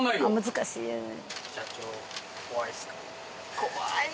難しいよね。